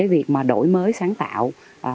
việc đổi mới sáng tạo